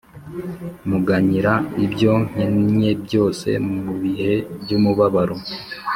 Muganyira ibyo nkennye byose mubihe by’umubabaro